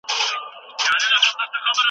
ستا سومه، چي ستا سومه، چي ستا سومه